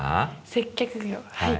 接客業はい